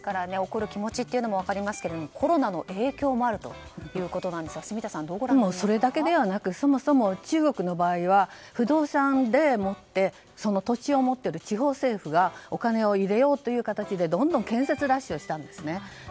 怒る気持ちも分かりますけれどもコロナの影響もあるということですがそれだけではなくそもそも中国の場合は不動産でその土地を持っている地方政府がお金を入れようという感じでどんどん建設ラッシュだったんですね。